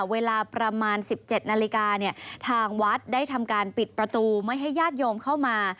เวลาประมาณ๑๗นาฬิกาเนี่ยทางวัดได้ทำการปิดประตูไม่ให้ญาติโยมเข้ามา